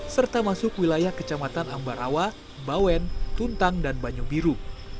serta masuk wilayah kecamatan ambarawa bawen tuntang dan banyu biru